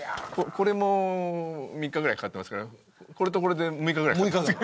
これも３日ぐらいかかってますからこれとこれで６日ぐらいかかってます。